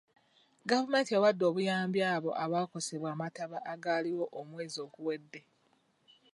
Gavumenti ewadde obuyambi abo abaakosebwa amataba agaaliwo omwezi oguwedde.